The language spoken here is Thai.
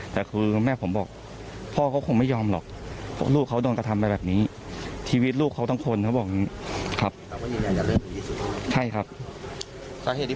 แต่แบบนี้ชีวิตลูกเขาทั้งคนมันบอกอย่างนี้